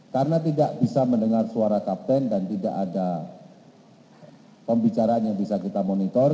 karena tidak bisa mendengar suara kapten dan tidak ada pembicaraan yang bisa kita monitor